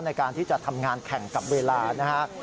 ในการที่จะทำงานแข่งกับเวลานะฮะ